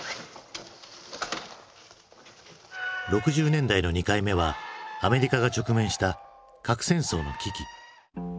６０年代の２回目はアメリカが直面した核戦争の危機。